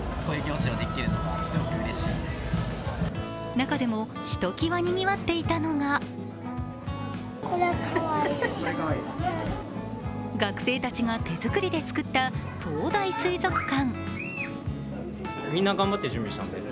中でも、ひときわにぎわっていたのが学生たちが手作りで作った東大水族館。